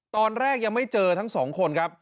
ตอนแรกยังไม่เจอทั้งสองคนครับ